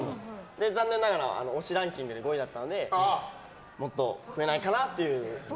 で、残念ながら推しランキングで５位だったのでもっと増えないかなっていう。